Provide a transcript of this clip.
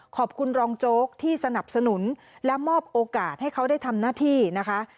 ขอบคุณรองโจ๊กที่สนับสนุนและมอบโอกาสให้เขาได้ทำหน้าที่นะคะ